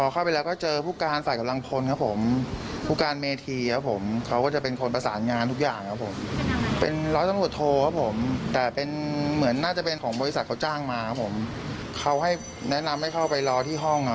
เขาจ้างมาเขาให้แนะนำให้เข้าไปรอที่ห้อง